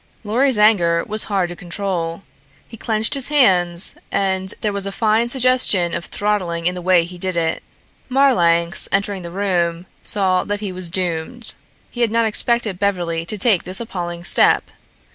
Lorry's anger was hard to control. He clenched his hands and there was a fine suggestion of throttling in the way he did it. Marlanx, entering the room, saw that he was doomed. He had not expected Beverly to take this appalling step.